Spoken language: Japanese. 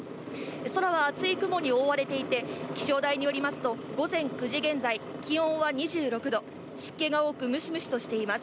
空は厚い雲に覆われて、気象台によりますと、午前９時現在、気温は２６度、湿気が多くむしむしとしています。